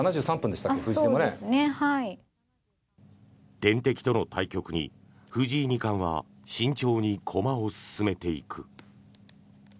天敵との対局に藤井二冠は慎重に駒を進めていく。